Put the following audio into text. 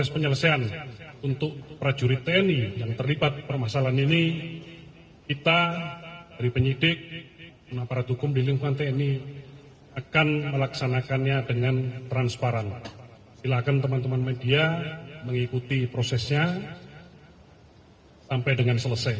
pertanyaan kedua untuk marsjah h a